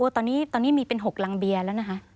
ตอนนี้มีเป็น๖รังเบียร์แล้วนะคะ